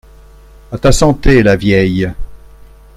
A ta santé, la vieille